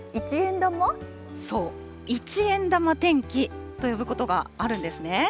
そう、一円玉天気と呼ぶことがあるんですね。